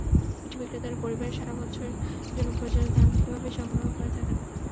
মিষ্টি বিক্রেতারা পরিবারের সারা বছরের জন্য প্রয়োজনীয় ধান এভাবেই সংগ্রহ করে থাকেন।